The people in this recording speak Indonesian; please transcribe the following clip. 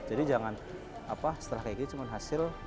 jadi jangan setelah kayak gitu cuma hasil